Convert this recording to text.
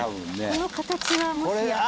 この形はもしや。